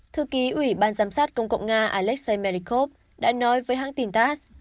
thư ký ủy ban giám sát công cộng nga alexei menikov đã nói với hãng tin tass